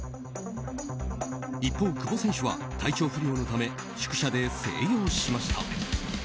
一方、久保選手は体調不良のため宿舎で静養しました。